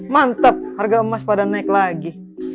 mantap harga emas pada naik lagi